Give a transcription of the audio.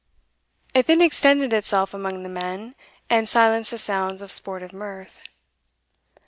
It then extended itself among the men, and silenced the sounds of sportive mirth.